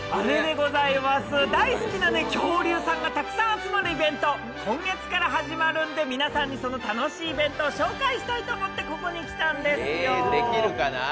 大好きな恐竜さんがたくさん集まるイベント、今月から始まるんで、皆さんにその楽しいイベントを紹介したいと思ってここに来たんですよ。